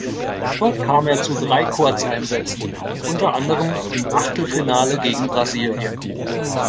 Dort kam er zu drei Kurzeinsätzen, unter anderem im Achtelfinale gegen Brasilien.